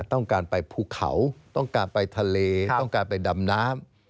ต้องการไปภูเขาต้องการไปทะเลต้องการไปดำน้ำ